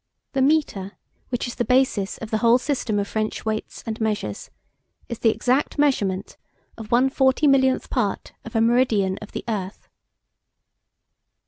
The metre, which is the basis of the whole system of French weights and measures, is the exact measurement of one forty millionth part of a meridian of the earth.